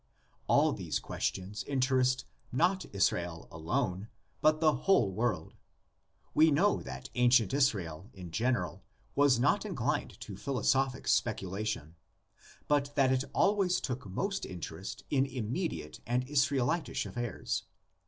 All these questions interest not Israel alone, but the whole world. We know that ancient Israel in general was not inclined to philosophic speculation, but that it always took most interest in immediate and Israelitish affairs.